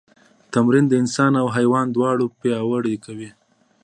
تمرین انسان او حیوان دواړه پیاوړي کوي.